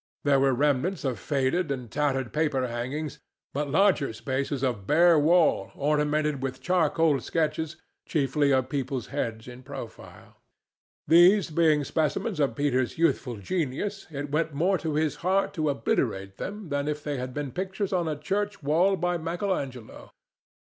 There were remnants of faded and tattered paper hangings, but larger spaces of bare wall ornamented with charcoal sketches, chiefly of people's heads in profile. These being specimens of Peter's youthful genius, it went more to his heart to obliterate them than if they had been pictures on a church wall by Michael Angelo.